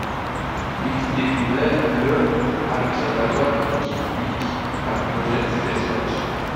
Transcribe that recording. Il fut découvert le à l'Observatoire de Kitt Peak par le projet Spacewatch.